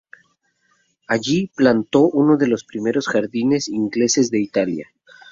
Allí plantó uno de los primeros jardines ingleses de Italia.